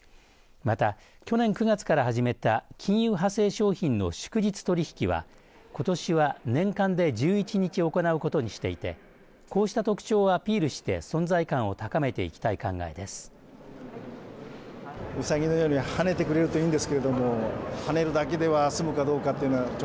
また去年９月から始めた金融派生商品の祝日取引はことしは年間で１１日行うことにしていてこうした特徴をアピールして存在感を高めていきたい考えです。